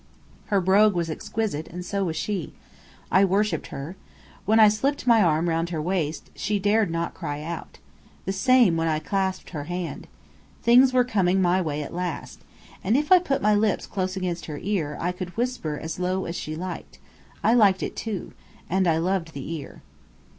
Her brogue was exquisite, and so was she. I worshipped her. When I slipped my arm round her waist, she dared not cry out. The same when I clasped her hand. Things were coming my way at last. And if I put my lips close against her ear I could whisper as low as she liked. I liked it too. And I loved the ear.